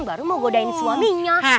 baru mau godain suaminya